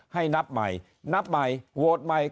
ให้นับใหม่นับใหม่โหวตใหม่